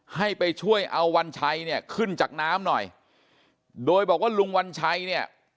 ให้ไปช่วยเอาวัญชัยเนี่ยขึ้นจากน้ำหน่อยโดยบอกว่าลุงวัญชัยเนี่ย